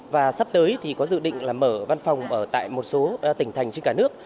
và sắp tới có dự định mở văn phòng ở một số tỉnh thành trên cả nước